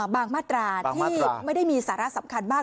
มาตราที่ไม่ได้มีสาระสำคัญมาก